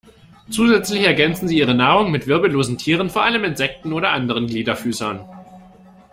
Zusätzlich ergänzen sie ihre Nahrung mit wirbellosen Tieren, vor allem Insekten oder anderen Gliederfüßern.